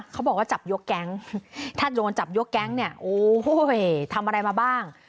เขาบอกว่าจับยกแก๊งถ้าโดนจับยกแก๊งเนี่ยโอ้โหทำอะไรมาบ้าง